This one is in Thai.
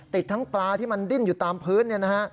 ติดทั้งปลาที่มันดิ้นอยู่ตามพื้น